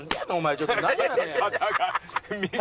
ちょっとなんやねん！